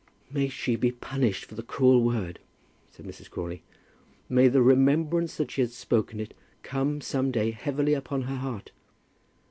"May she be punished for the cruel word!" said Mrs. Crawley. "May the remembrance that she has spoken it come, some day, heavily upon her heart!"